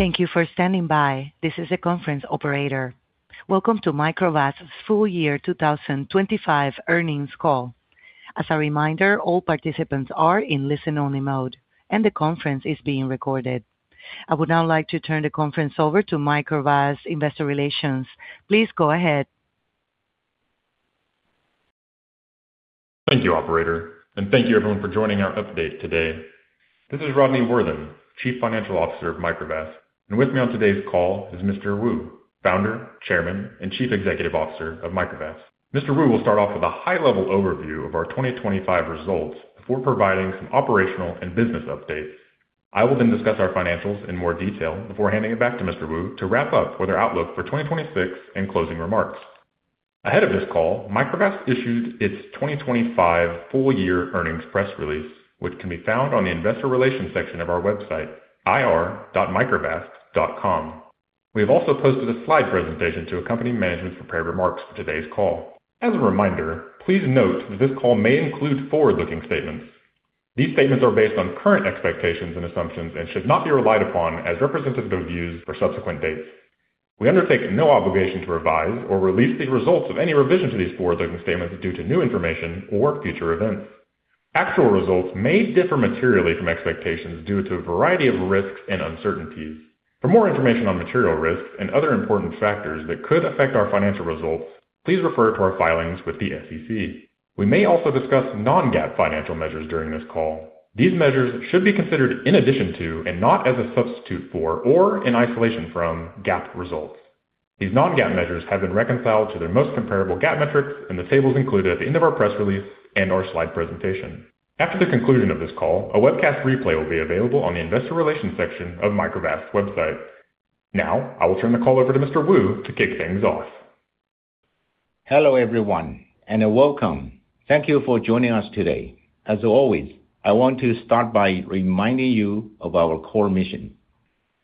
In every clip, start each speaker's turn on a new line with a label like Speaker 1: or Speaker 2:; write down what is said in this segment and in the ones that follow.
Speaker 1: Thank you for standing by. This is the conference operator. Welcome to Microvast's full year 2025 earnings call. As a reminder, all participants are in listen-only mode, and the conference is being recorded. I would now like to turn the conference over to Microvast Investor Relations. Please go ahead.
Speaker 2: Thank you, operator, and thank you everyone for joining our update today. This is Rodney Worthen, Chief Financial Officer of Microvast. With me on today's call is Yang Wu, Founder, Chairman, and Chief Executive Officer of Microvast. Yang Wu will start off with a high-level overview of our 2025 results before providing some operational and business updates. I will then discuss our financials in more detail before handing it back to Yang Wu to wrap up with our outlook for 2026 and closing remarks. Ahead of this call, Microvast issued its 2025 full year earnings press release, which can be found on the investor relations section of our website, ir.microvast.com. We have also posted a slide presentation to accompany management's prepared remarks for today's call. As a reminder, please note that this call may include forward-looking statements. These statements are based on current expectations and assumptions and should not be relied upon as representative of views for subsequent dates. We undertake no obligation to revise or release the results of any revision to these forward-looking statements due to new information or future events. Actual results may differ materially from expectations due to a variety of risks and uncertainties. For more information on material risks and other important factors that could affect our financial results, please refer to our filings with the SEC. We may also discuss non-GAAP financial measures during this call. These measures should be considered in addition to and not as a substitute for or in isolation from GAAP results. These non-GAAP measures have been reconciled to their most comparable GAAP metrics in the tables included at the end of our press release and our slide presentation. After the conclusion of this call, a webcast replay will be available on the investor relations section of Microvast website. Now, I will turn the call over to Yang Wu to kick things off.
Speaker 3: Hello, everyone, and welcome. Thank you for joining us today. As always, I want to start by reminding you of our core mission.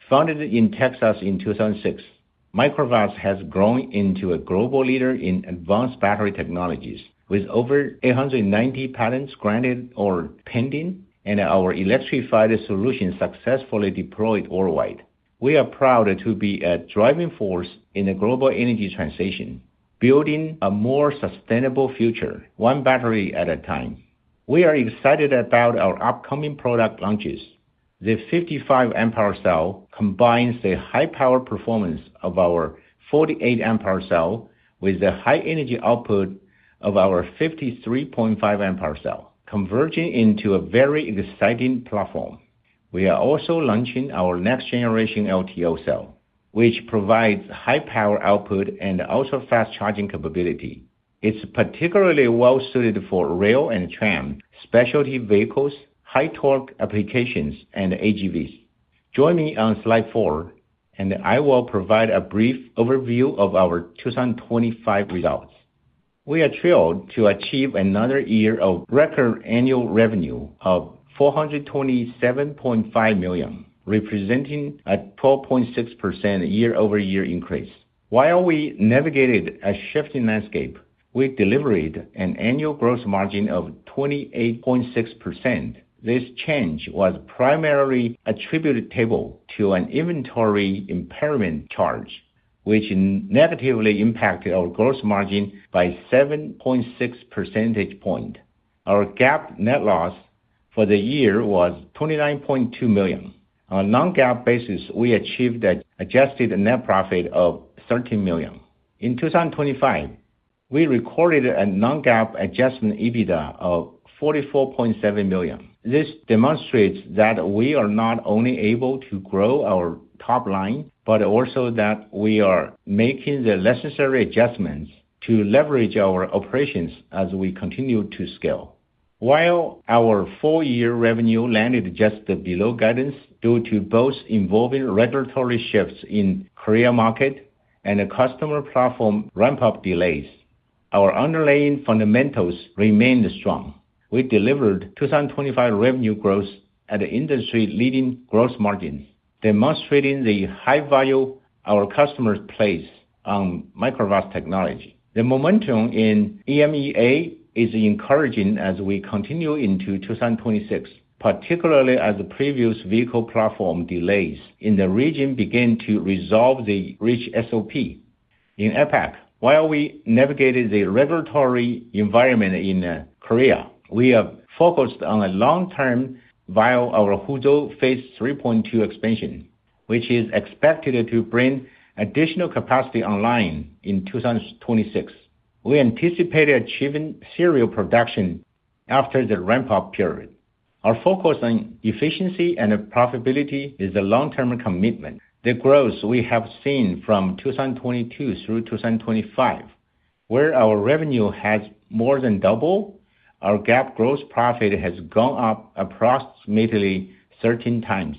Speaker 3: Founded in Texas in 2006, Microvast has grown into a global leader in advanced battery technologies, with over 890 patents granted or pending and our electrified solutions successfully deployed worldwide. We are proud to be a driving force in the global energy transition, building a more sustainable future, one battery at a time. We are excited about our upcoming product launches. The 55Ah cell combines the high power performance of our 48Ah cell with the high energy output of our 53.5Ah cell, converging into a very exciting platform. We are also launching our next generation LTO cell, which provides high power output and also fast charging capability. It's particularly well-suited for rail and tram, specialty vehicles, high torque applications, and AGVs. Join me on slide four, and I will provide a brief overview of our 2025 results. We are thrilled to achieve another year of record annual revenue of $427.5 million, representing a 12.6% year-over-year increase. While we navigated a shifting landscape, we delivered an annual gross margin of 28.6%. This change was primarily attributable to an inventory impairment charge, which negatively impacted our gross margin by 7.6 percentage point. Our GAAP net loss for the year was $29.2 million. On a non-GAAP basis, we achieved an adjusted net profit of $13 million. In 2025, we recorded a non-GAAP adjusted EBITDA of $44.7 million. This demonstrates that we are not only able to grow our top line, but also that we are making the necessary adjustments to leverage our operations as we continue to scale. While our full year revenue landed just below guidance due to evolving regulatory shifts in Korean market and a customer platform ramp-up delays, our underlying fundamentals remained strong. We delivered 25% revenue growth at an industry-leading gross margin, demonstrating the high value our customers place on Microvast technology. The momentum in EMEA is encouraging as we continue into 2026, particularly as the previous vehicle platform delays in the region begin to reach SOP. In APAC, while we navigated the regulatory environment in Korea, we are focused on a long-term view of our Huzhou Phase 3.2 expansion, which is expected to bring additional capacity online in 2026. We anticipate achieving serial production after the ramp-up period. Our focus on efficiency and profitability is a long-term commitment. The growth we have seen from 2022 through 2025, where our revenue has more than doubled, our GAAP gross profit has gone up approximately 13x,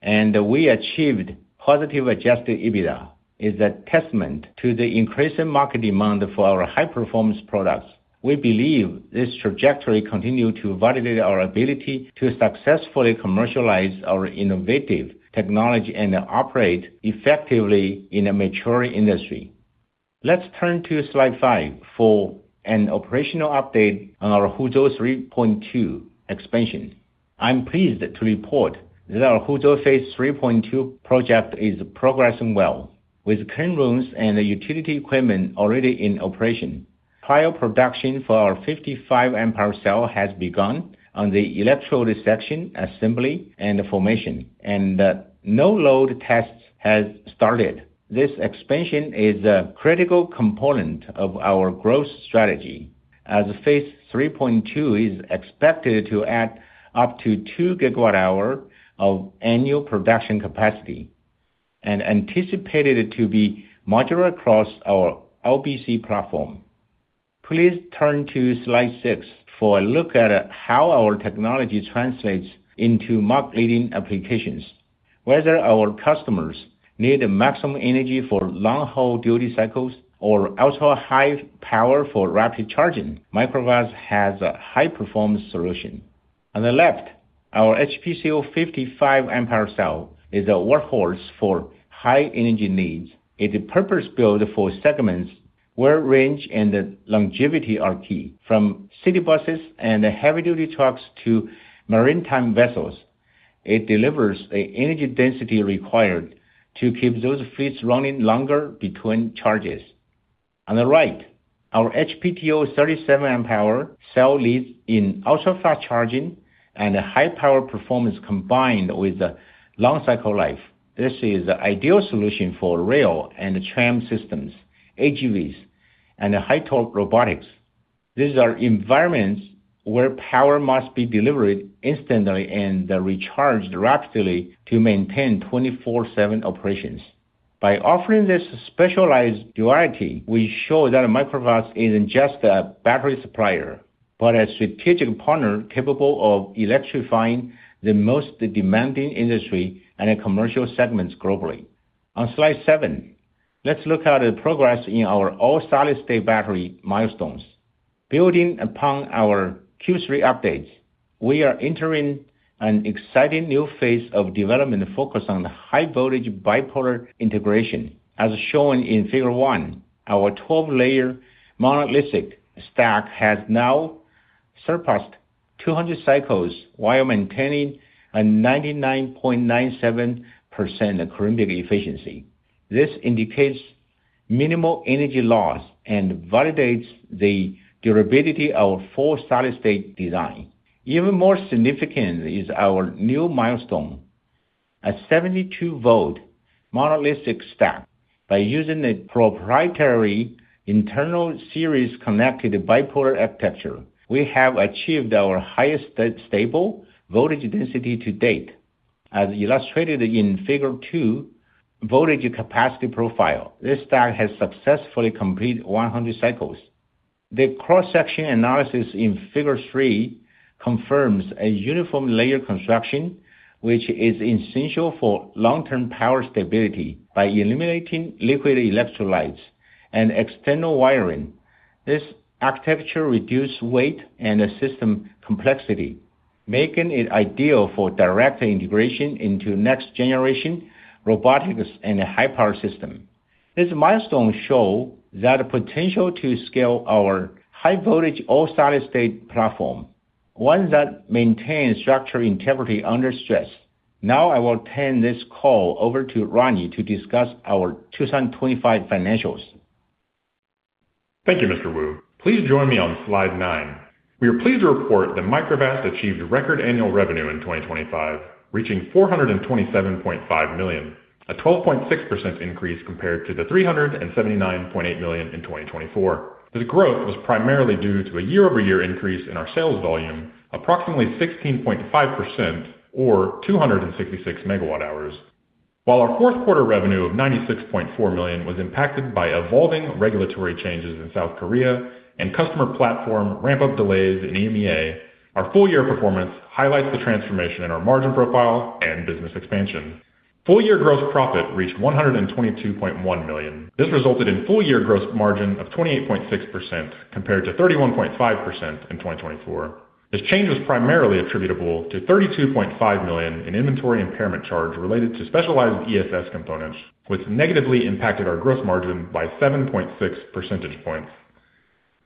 Speaker 3: and we achieved positive adjusted EBITDA, is a testament to the increasing market demand for our high-performance products. We believe this trajectory continues to validate our ability to successfully commercialize our innovative technology and operate effectively in a maturing industry. Let's turn to slide five for an operational update on our Huzhou 3.2 expansion. I'm pleased to report that our Huzhou phase 3.2 project is progressing well. With clean rooms and the utility equipment already in operation, pilot production for our 55Ah cell has begun on the electrode section assembly and formation, and no-load tests have started. This expansion is a critical component of our growth strategy, as phase 3.2 is expected to add up to 2 GWh of annual production capacity and anticipated to be modular across our LBC platform. Please turn to slide six for a look at how our technology translates into market-leading applications. Whether our customers need maximum energy for long-haul duty cycles or ultra-high power for rapid charging, Microvast has a high-performance solution. On the left, our HpCO 55 Ah cell is a workhorse for high energy needs. It is purpose-built for segments where range and longevity are key, from city buses and heavy-duty trucks to maritime vessels. It delivers an energy density required to keep those fleets running longer between charges. On the right, our LpTO 37 Ah cell leads in ultra-fast charging and high power performance combined with long cycle life. This is the ideal solution for rail and tram systems, AGVs, and high-torque robotics. These are environments where power must be delivered instantly and recharged rapidly to maintain 24/7 operations. By offering this specialized duality, we show that Microvast isn't just a battery supplier, but a strategic partner capable of electrifying the most demanding industry and commercial segments globally. On slide seven, let's look at the progress in our all-solid-state battery milestones. Building upon our Q3 updates, we are entering an exciting new phase of development focused on high-voltage bipolar integration. As shown in figure one, our 12-layer monolithic stack has now surpassed 200 cycles while maintaining a 99.97% coulombic efficiency. This indicates minimal energy loss and validates the durability of full solid-state design. Even more significant is our new milestone, a 72-volt monolithic stack. By using a proprietary internal series-connected bipolar architecture, we have achieved our highest stable voltage density to date. As illustrated in Figure two, voltage capacity profile, this stack has successfully completed 100 cycles. The cross-section analysis in Figure three confirms a uniform layer construction, which is essential for long-term power stability. By eliminating liquid electrolytes and external wiring, this architecture reduces weight and system complexity, making it ideal for direct integration into next-generation robotics and high-power systems. This milestone shows the potential to scale our high-voltage all-solid-state platform, one that maintains structural integrity under stress. Now I will turn this call over to Ronnie to discuss our 2025 financials.
Speaker 2: Thank you, Yang Wu. Please join me on slide nine. We are pleased to report that Microvast achieved record annual revenue in 2025, reaching $427.5 million, a 12.6% increase compared to the $379.8 million in 2024. This growth was primarily due to a year-over-year increase in our sales volume, approximately 16.5% or 266 megawatt hours. While our fourth quarter revenue of $96.4 million was impacted by evolving regulatory changes in South Korea and customer platform ramp-up delays in EMEA, our full year performance highlights the transformation in our margin profile and business expansion. Full year gross profit reached $122.1 million. This resulted in full year gross margin of 28.6% compared to 31.5% in 2024. This change was primarily attributable to $32.5 million in inventory impairment charge related to specialized ESS components, which negatively impacted our gross margin by 7.6 percentage points.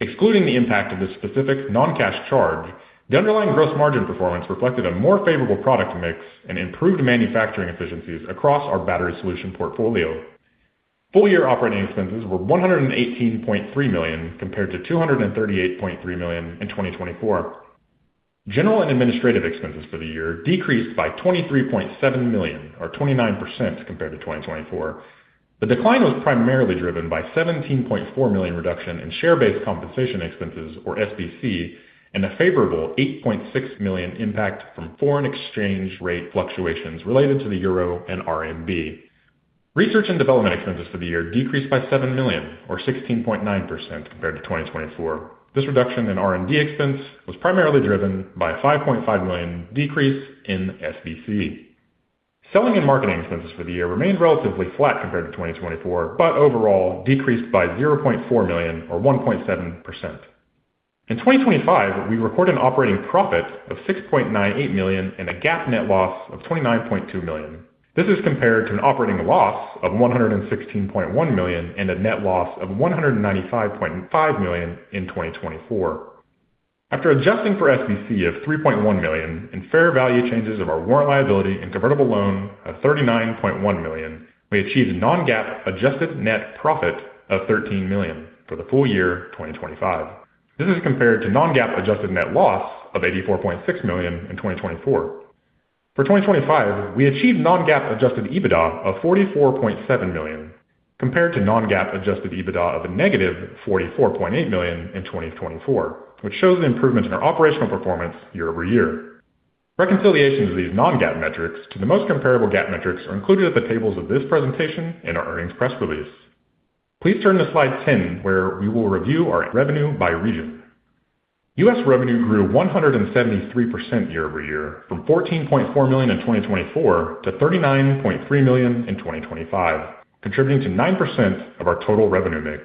Speaker 2: Excluding the impact of this specific non-cash charge, the underlying gross margin performance reflected a more favorable product mix and improved manufacturing efficiencies across our battery solution portfolio. Full year operating expenses were $118.3 million compared to $238.3 million in 2024. General and administrative expenses for the year decreased by $23.7 million or 29% compared to 2024. The decline was primarily driven by $17.4 million reduction in share-based compensation expenses, or SBC, and a favorable $8.6 million impact from foreign exchange rate fluctuations related to the euro and RMB. Research and development expenses for the year decreased by $7 million or 16.9% compared to 2024. This reduction in R&D expense was primarily driven by a $5.5 million decrease in SBC. Selling and marketing expenses for the year remained relatively flat compared to 2024, but overall decreased by $0.4 million or 1.7%. In 2025, we recorded an operating profit of $6.98 million and a GAAP net loss of $29.2 million. This is compared to an operating loss of $116.1 million and a net loss of $195.5 million in 2024. After adjusting for SBC of $3.1 million and fair value changes of our warrant liability and convertible loan of $39.1 million, we achieved a non-GAAP adjusted net profit of $13 million for the full year 2025. This is compared to non-GAAP adjusted net loss of $84.6 million in 2024. For 2025, we achieved non-GAAP adjusted EBITDA of $44.7 million, compared to non-GAAP adjusted EBITDA of -$44.8 million in 2024, which shows an improvement in our operational performance year-over-year. Reconciliation of these non-GAAP metrics to the most comparable GAAP metrics are included at the tables of this presentation in our earnings press release. Please turn to slide 10, where we will review our revenue by region. U.S. revenue grew 173% year-over-year from $14.4 million in 2024 to $39.3 million in 2025, contributing to 9% of our total revenue mix.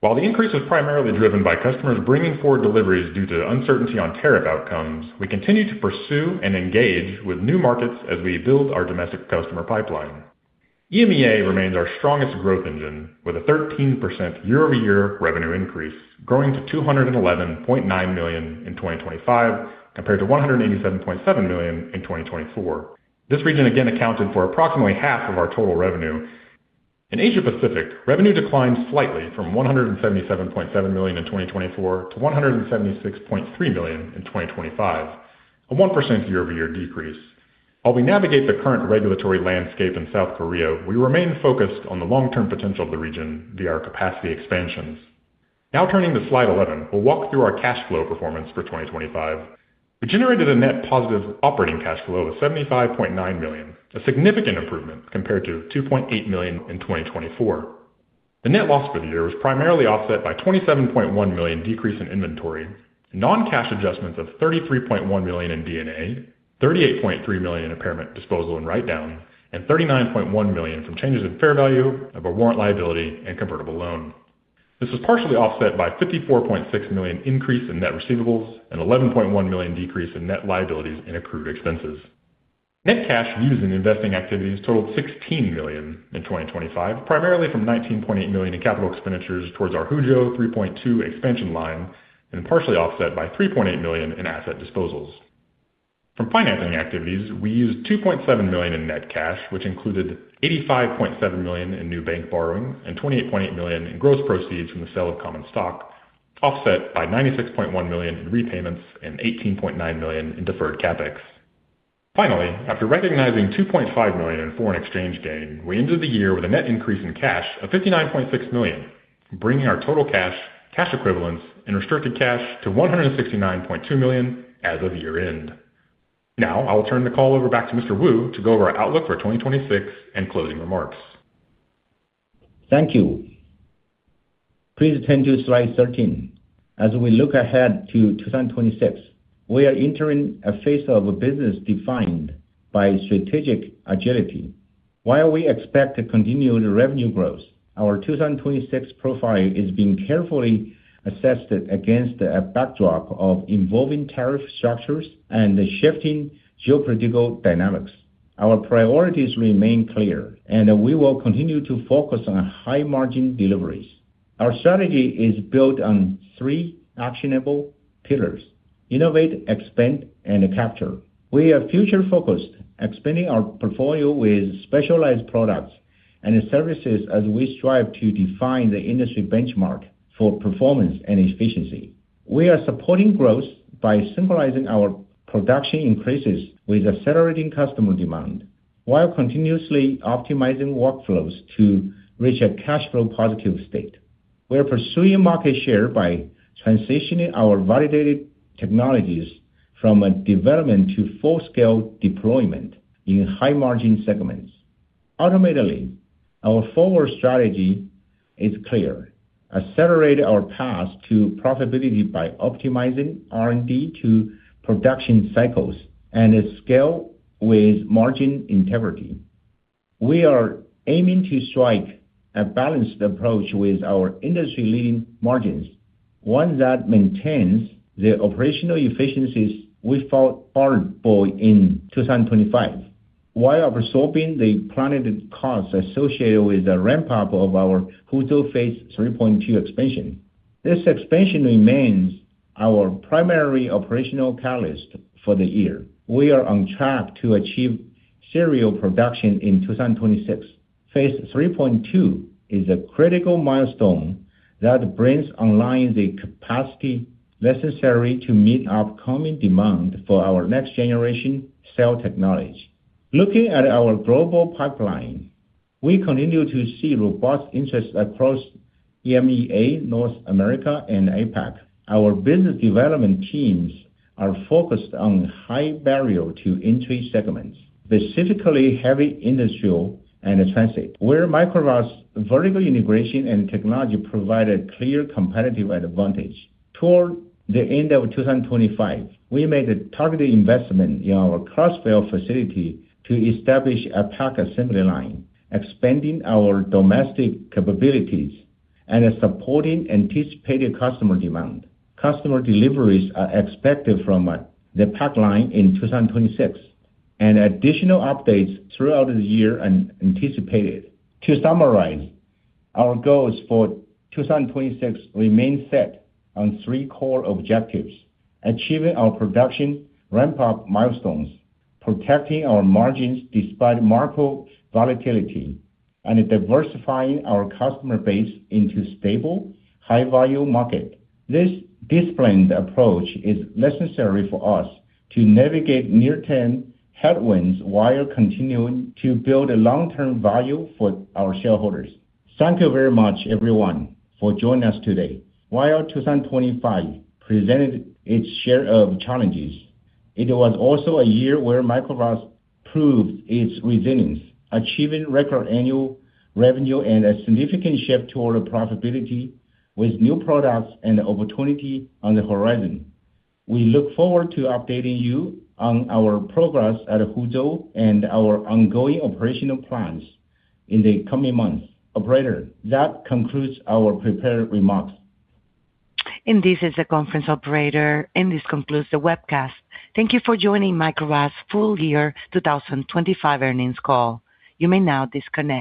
Speaker 2: While the increase was primarily driven by customers bringing forward deliveries due to uncertainty on tariff outcomes, we continue to pursue and engage with new markets as we build our domestic customer pipeline. EMEA remains our strongest growth engine, with a 13% year-over-year revenue increase, growing to $211.9 million in 2025 compared to $187.7 million in 2024. This region again accounted for approximately half of our total revenue. In Asia Pacific, revenue declined slightly from $177.7 million in 2024 to $176.3 million in 2025, a 1% year-over-year decrease. While we navigate the current regulatory landscape in South Korea, we remain focused on the long-term potential of the region via our capacity expansions. Now turning to slide 11, we'll walk through our cash flow performance for 2025. We generated a net positive operating cash flow of $75.9 million, a significant improvement compared to $2.8 million in 2024. The net loss for the year was primarily offset by $27.1 million decrease in inventory, non-cash adjustments of $33.1 million in D&A, $38.3 million impairment disposal and write-down, and $39.1 million from changes in fair value of our warrant liability and convertible loan. This was partially offset by $54.6 million increase in net receivables and $11.1 million decrease in net liabilities and accrued expenses. Net cash used in investing activities totaled $16 million in 2025, primarily from $19.8 million in capital expenditures towards our Huzhou 3.2 expansion line and partially offset by $3.8 million in asset disposals. From financing activities, we used $2.7 million in net cash, which included $85.7 million in new bank borrowing and $28.8 million in gross proceeds from the sale of common stock, offset by $96.1 million in repayments and $18.9 million in deferred CapEx. Finally, after recognizing $2.5 million in foreign exchange gain, we ended the year with a net increase in cash of $59.6 million, bringing our total cash equivalents, and restricted cash to $169.2 million as of year-end. Now I'll turn the call back over to Yang Wu to go over our outlook for 2026 and closing remarks.
Speaker 3: Thank you. Please turn to slide 13. As we look ahead to 2026, we are entering a phase of a business defined by strategic agility. While we expect a continued revenue growth, our 2026 profile is being carefully assessed against a backdrop of evolving tariff structures and the shifting geopolitical dynamics. Our priorities remain clear, and we will continue to focus on high-margin deliveries. Our strategy is built on three actionable pillars, innovate, expand, and capture. We are future-focused, expanding our portfolio with specialized products and services as we strive to define the industry benchmark for performance and efficiency. We are supporting growth by synchronizing our production increases with accelerating customer demand while continuously optimizing workflows to reach a cash flow positive state. We are pursuing market share by transitioning our validated technologies from a development to full-scale deployment in high-margin segments. Ultimately, our forward strategy is clear. Accelerate our path to profitability by optimizing R&D to production cycles and scale with margin integrity. We are aiming to strike a balanced approach with our industry-leading margins, one that maintains the operational efficiencies we fought hard for in 2025, while absorbing the planned costs associated with the ramp-up of our Huzhou phase 3.2 expansion. This expansion remains our primary operational catalyst for the year. We are on track to achieve serial production in 2026. Phase 3.2 is a critical milestone that brings online the capacity necessary to meet upcoming demand for our next generation cell technology. Looking at our global pipeline, we continue to see robust interest across EMEA, North America, and APAC. Our business development teams are focused on high barrier to entry segments, specifically heavy industrial and transit, where Microvast vertical integration and technology provide a clear competitive advantage. Toward the end of 2025, we made a targeted investment in our Crossville facility to establish a pack assembly line, expanding our domestic capabilities and supporting anticipated customer demand. Customer deliveries are expected from the pack line in 2026 and additional updates throughout the year are anticipated. To summarize, our goals for 2026 remain set on three core objectives, achieving our production ramp-up milestones, protecting our margins despite market volatility, and diversifying our customer base into stable, high-value market. This disciplined approach is necessary for us to navigate near-term headwinds while continuing to build long-term value for our shareholders. Thank you very much, everyone, for joining us today. While 2025 presented its share of challenges, it was also a year where Microvast proved its resilience, achieving record annual revenue and a significant shift toward profitability with new products and opportunity on the horizon. We look forward to updating you on our progress at Huzhou and our ongoing operational plans in the coming months. Operator, that concludes our prepared remarks.
Speaker 1: This is the conference operator, and this concludes the webcast. Thank you for joining Microvast's full year 2025 earnings call. You may now disconnect.